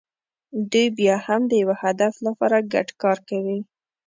دوی بیا هم د یوه هدف لپاره ګډ کار کوي.